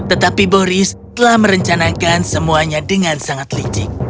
tetapi boris telah merencanakan semuanya dengan sangat licik